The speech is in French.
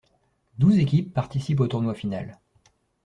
Douze équipes participent au tournoi final.